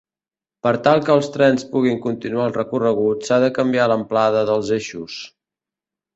Per tal que els trens puguin continuar el recorregut s'ha de canviar l'amplada dels eixos.